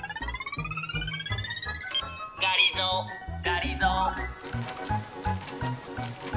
がりぞーがりぞー。